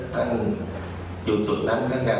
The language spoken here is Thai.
การเงินมันมีฝ่ายฮะ